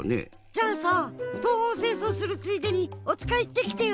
じゃあさ東奔西走するついでにおつかいいってきてよ。